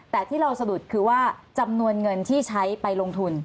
แต่ที่เราสะดุดคือว่าจำนวนเงินที่ใช้ไปลงทุน